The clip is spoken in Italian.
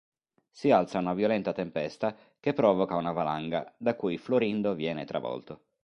Si alza una violenta tempesta che provoca una valanga da cui Florindo viene travolto.